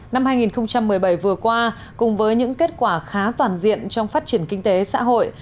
năm hai nghìn một mươi bảy vừa qua cùng với những kết quả khá toàn diện trong phát triển kinh tế xã hội